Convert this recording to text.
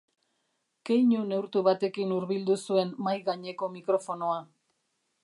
Keinu neurtu batekin hurbildu zuen mahai gaineko mikrofonoa.